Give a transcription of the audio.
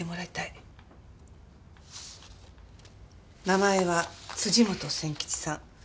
名前は辻本千吉さん。